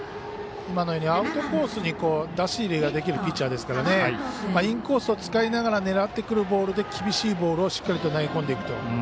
今のようにアウトコースに出し入れができるピッチャーですからインコースを使いながら狙ってくるボールで厳しいボールをしっかりと投げ込んでいくと。